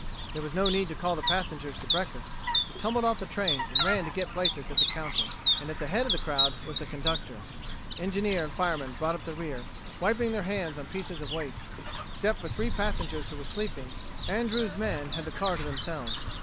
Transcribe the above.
There was no need to call the passengers to breakfast; they tumbled off the train and ran to get places at the counter. And at the head of the crowd was the conductor. The engineer and fireman brought up the rear, wiping their hands on pieces of waste. Except for three passengers who were sleeping, Andrews' men had the car to themselves.